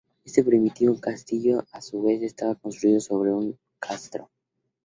Este primitivo castillo a su vez estaba construido sobre un castro.